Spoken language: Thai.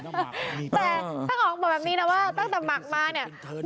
แต่ทั้งสองบอกแบบนี้นะว่าตั้งแต่หมักมาเนี่ย